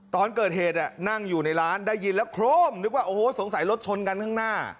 ตอนเกิดเหตุนั่งอยู่ในร้านได้ยินแล้วโครมนึกว่าโอ้โหสงสัยรถชนกันข้างหน้า